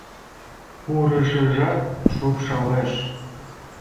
Пурышыжат шупшалеш.